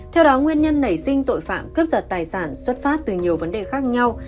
theo đó nguyên nhân nảy sinh tội phạm cướp giật tài sản xuất phát từ nhiều vấn đề khác nhau